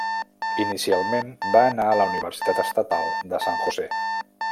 Inicialment va anar a la Universitat Estatal de San José.